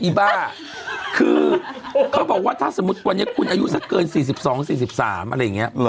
บ้าคือเขาบอกว่าถ้าสมมุติวันนี้คุณอายุสักเกิน๔๒๔๓อะไรอย่างนี้